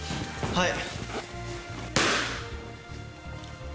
はい。